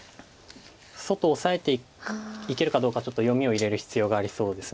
外をオサえていけるかどうかちょっと読みを入れる必要がありそうです。